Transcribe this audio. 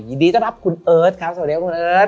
ยินดีต้อนรับคุณเอิร์ทครับสวัสดีครับคุณเอิร์ท